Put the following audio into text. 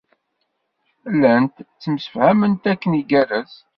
Llant ttemsefhament akken igerrez.